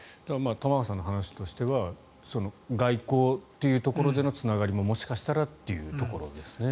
玉川さんの話としては外交というところでのつながりももしかしたらというところですね